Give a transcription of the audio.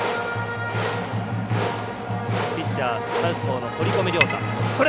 ピッチャーサウスポーの堀米涼太。